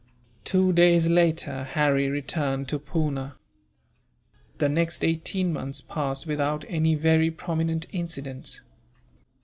Two days later, Harry returned to Poona. The next eighteen months passed without any very prominent incidents.